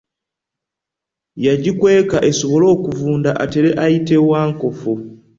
Yagikweka esobole okuvunda atere ayite wankofu.